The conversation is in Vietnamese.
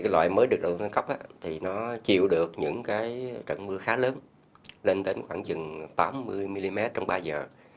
loại mới được đầu tư nâng cấp thì nó chịu được những trận mưa khá lớn lên đến khoảng tám mươi mm trong ba giờ